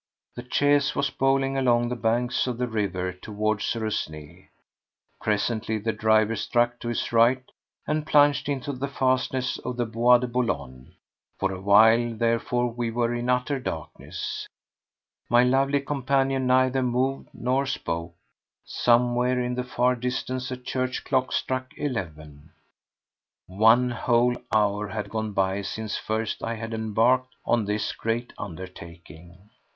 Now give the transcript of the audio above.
The chaise was bowling along the banks of the river toward Suresnes. Presently the driver struck to his right and plunged into the fastnesses of the Bois de Boulogne. For a while, therefore, we were in utter darkness. My lovely companion neither moved nor spoke. Somewhere in the far distance a church clock struck eleven. One whole hour had gone by since first I had embarked on this great undertaking.